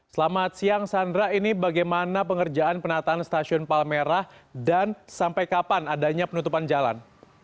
selamat siang sandra ini bagaimana pengerjaan penataan stasiun palmerah dan sampai kapan adanya penutupan jalan